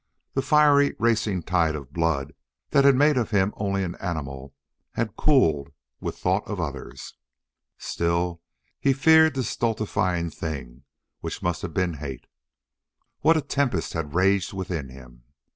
The fiery, racing tide of blood that had made of him only an animal had cooled with thought of others. Still he feared that stultifying thing which must have been hate. What a tempest had raged within him!